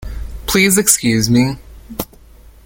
Please excuse me.